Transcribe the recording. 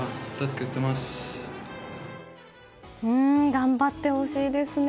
頑張ってほしいですね。